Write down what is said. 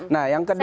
nah yang kedua